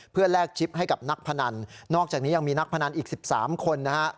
เพื่อแลกชิปให้กับนักพนันนอกจากนี้ยังมีนักพนันอีก๑๓คนนะฮะ